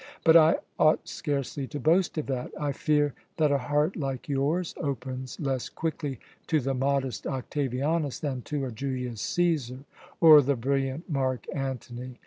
But I ought scarcely to boast of that. I fear that a heart like yours opens less quickly to the modest Octavianus than to a Julius Cæsar or the brilliant Mark Antony.